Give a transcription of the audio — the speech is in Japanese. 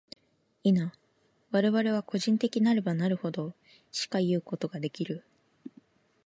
否、我々は個人的なればなるほど、しかいうことができる。